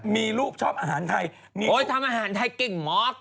มีลูกชอบอาหารไทยทำอาหารไทยเก่งมาก